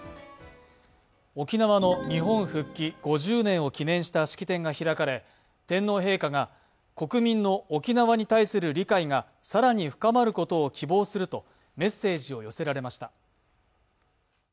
沖縄の日本復帰５０年を記念した式典が開かれ、天皇陛下が国民の沖縄に対する理解が更に深まることを希望するとメッセージを寄せられました。